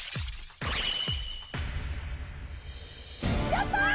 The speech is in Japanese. やったー！